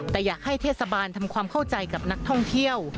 แต่อยากให้เทศบาลทำความเข้าใจกับนักท่องเที่ยว